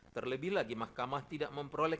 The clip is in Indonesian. terlebih lagi mahkamah tidak memperoleh